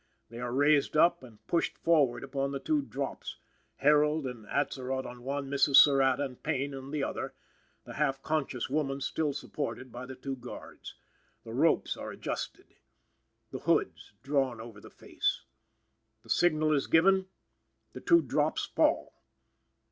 They are raised up and pushed forward upon the two drops, Herold and Atzerodt on one, Mrs. Surratt and Payne on the other; the half conscious woman still supported by the two guards. The ropes are adjusted. The hoods drawn over the face. The signal is given. The two drops fall.